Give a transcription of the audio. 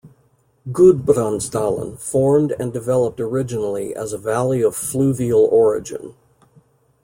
Gudbrandsdalen formed and developed originally as a valley of fluvial origin.